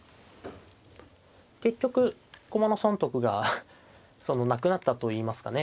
結局駒の損得がそのなくなったといいますかね。